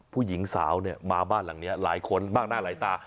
ผู้หญิงสาวเนี่ยมาบ้านหลังนี้หลายคนบ้างหน้าหลายตา